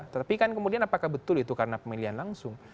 tetapi kan kemudian apakah betul itu karena pemilihan langsung